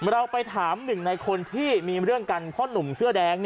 เราไปถามหนึ่งในคนที่มีเรื่องกันเพราะหนุ่มเสื้อแดง